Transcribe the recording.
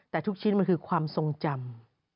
แต่ทุกชิ้นมันคือความทรงจำ